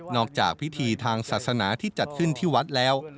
จากพิธีทางศาสนาที่จัดขึ้นที่วัดแล้ว